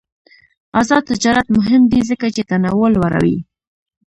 آزاد تجارت مهم دی ځکه چې تنوع لوړوی.